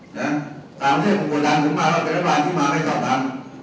สามเวียงผมกว่าดังถึงมากว่าเป็นรัฐบาลที่มาให้สอบทาง